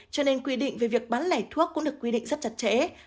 cho nên quy định về việc bán lẻ thuốc cũng được quy định rất chặt chẽ